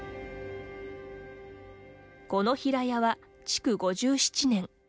この平屋は築５７年。